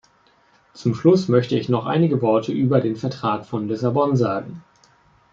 Zum Schluss möchte ich noch einige Worte über den Vertrag von Lissabon sagen.